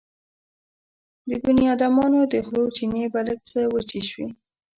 د بنيادمانو د خولو چينې به لږ څه وچې شوې.